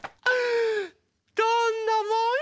どんなもんよ。